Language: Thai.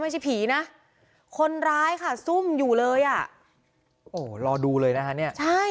ไม่ใช่ผีนะคนร้ายค่ะซุ่มอยู่เลยอ่ะโอ้รอดูเลยนะคะเนี่ยใช่